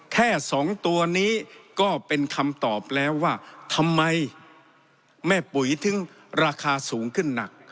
แค่สองตัวนี้ก็เป็นคำตอบแล้วว่าทำไมแม่ปุ๋ยถึงราคาสูงขึ้นหนัก